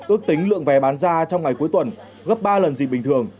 ước tính lượng vé bán ra trong ngày cuối tuần gấp ba lần dịp bình thường